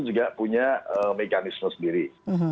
juga punya mekanisme sendiri